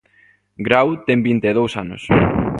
Grau ten vinte e dous anos.